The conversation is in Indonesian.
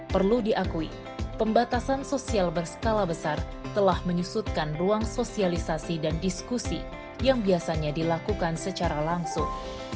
perlu diakui pembatasan sosial berskala besar telah menyusutkan ruang sosialisasi dan diskusi yang biasanya dilakukan secara langsung